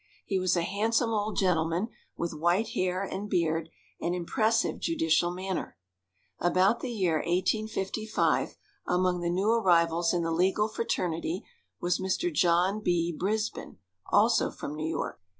He was a handsome old gentleman, with white hair and beard and impressive judicial manner. About the year 1855, among the new arrivals in the legal fraternity, was Mr. John B. Brisbin, also from New York.